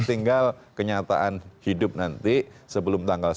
tinggal kenyataan hidup nanti sebelum tanggal sepuluh akun